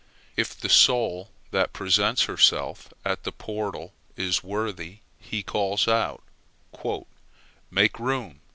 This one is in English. If the soul that presents herself at the portal is worthy, he calls out, "Make room!